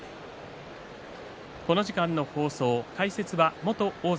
この時間の解説は元大関